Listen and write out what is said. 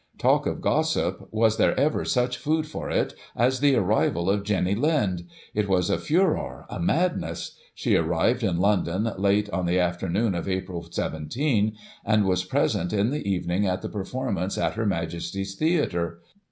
Talk of Gossip, was there ever such food for it as the arrival of Jenny Lind — it was a furore, a madness. She arrived in London late on the afternoon of Ap. 17, and was present in the evening at the performance at Her Majesty's Theatre.